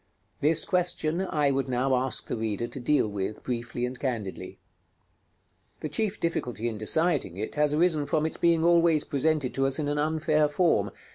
This question I would now ask the reader to deal with briefly and candidly. The chief difficulty in deciding it has arisen from its being always presented to us in an unfair form.